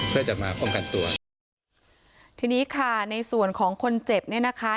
เพื่อจะมาป้องกันตัวทีนี้ค่ะในส่วนของคนเจ็บเนี่ยนะคะ